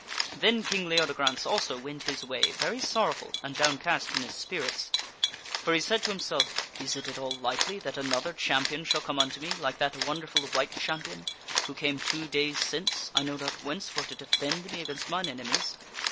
Then King Leodegrance also went his way, very KingLeode . sorrowful and downcast in his spirits^ For he said to himself: granceis " Is 'it at all likely that another champion shall come unto me like that wonderful White Champion who came two days since, I know not whence, for to defend me against mine enemies?